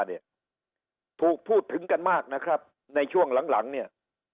เนี่ยถูกพูดถึงกันมากนะครับในช่วงหลังหลังเนี่ย